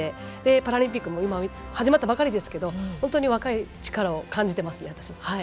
パラリンピックも今、始まったばかりですけど本当に若い力を感じています。